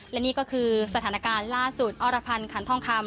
และนี่ก็คือสถานการณ์ล่าสุดอรพันธ์ขันทองคำ